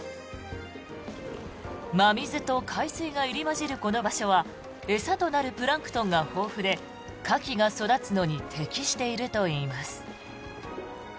真水と海水が入り交じるこの場所は餌となるプランクトンが豊富でカキが育つのに適しているといいます。